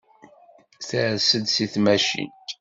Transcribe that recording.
Ters-d seg tmacint.